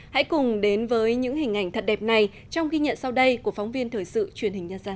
hãy cùng đến với những hình ảnh thật đẹp này trong ghi nhận sau đây của phóng viên thời sự truyền hình nhân dân